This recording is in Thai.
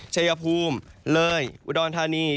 ชายภูมิเลยอุดรธานี